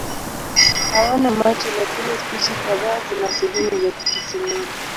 Hawana macho lakini spishi kadhaa zina sehemu za kuhisi nuru.